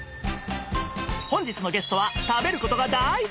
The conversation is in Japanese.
本日のゲストは食べる事が大好き！